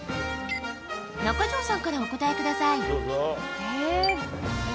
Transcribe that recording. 中条さんからお答えください。